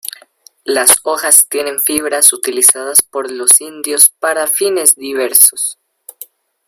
Las hojas tienen fibras utilizadas por los indios para fines diversos.